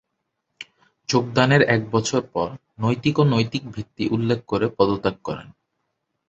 যোগদানের এক বছর পর "নৈতিক ও নৈতিক ভিত্তি" উল্লেখ করে পদত্যাগ করেন।